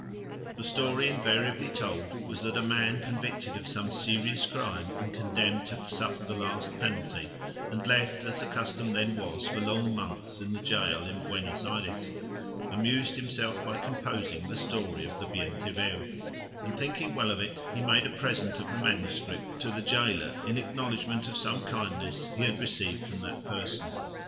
The story invariably told was that a man convicted of some serious crime and condemned to suffer the last penalty, and left, as the custom then was, for long months in the gaol in Buenos Ayres, amused himself by composing the story of the Bien te veo, and thinking well of it he made a present of the manuscript to the gaoler in acknowledgment of some kindness he had received from that person.